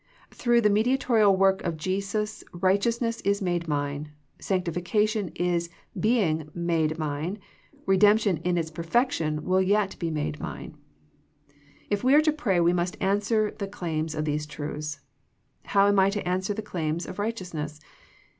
Through the mediatorial work of Jesus righteousness is made mine, sanctification is being made mine, redemption in its perfection will yet be made mine, j If we are to pray we must answer the claims of these truths. How am I to answer the claims of righteousness